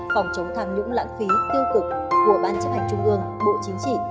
phòng chống tham nhũng lãng phí tiêu cực của ban chấp hành trung ương bộ chính trị